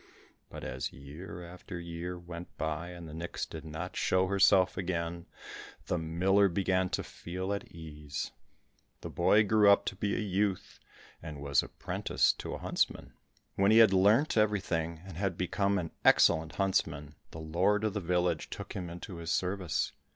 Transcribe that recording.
But as year after year went by and the nix did not show herself again, the miller began to feel at ease. The boy grew up to be a youth and was apprenticed to a huntsman. When he had learnt everything, and had become an excellent huntsman, the lord of the village took him into his service.